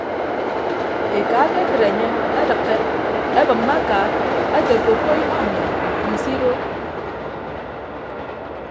Eka ekekịt enye edịkke ebịmme aka ete koko ima mi nsido.